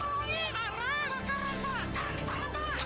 pak karam pak karam disana pak